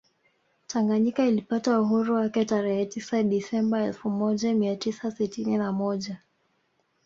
Tanganyika ilipata uhuru wake tarehe tisa Desemba elfu moja mia tisa sitini na moja